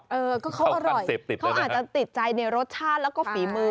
เขาอร่อยเขาอาจจะติดใจในรสชาติแล้วก็ฝีมือ